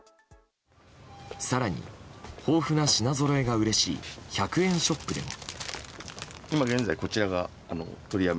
更に、豊富な品ぞろえがうれしい１００円ショップでも。